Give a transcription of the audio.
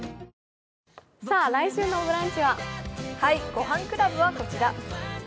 「ごはんクラブ」はこちら。